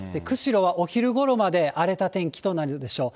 釧路はお昼ごろまで荒れた天気となるでしょう。